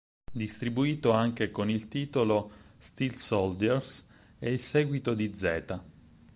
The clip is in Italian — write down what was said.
Distribuito anche con il titolo Steel Soldiers, è il seguito di "Z".